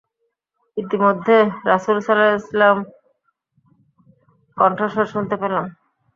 ইতিমধ্যে রাসূল সাল্লাল্লাহু আলাইহি ওয়াসাল্লামের কণ্ঠস্বর শুনতে পেলাম।